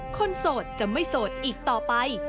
โสดจะไม่โสดอีกต่อไป